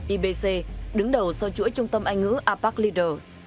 ibc đứng đầu do chuỗi trung tâm anh ngữ apac leaders